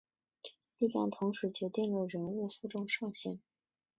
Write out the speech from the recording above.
力量同时决定了人物负重上限。